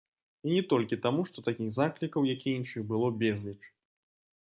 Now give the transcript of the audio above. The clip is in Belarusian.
І не толькі таму, што такіх заклікаў, як і іншых, было безліч.